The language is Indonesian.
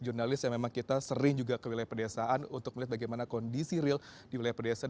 jurnalis yang memang kita sering juga ke wilayah pedesaan untuk melihat bagaimana kondisi real di wilayah pedesaan